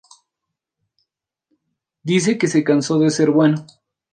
Dice que se cansó de ser bueno"